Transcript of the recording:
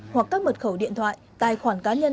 hoặc các mật khẩu điện thoại tài khoản cá nhân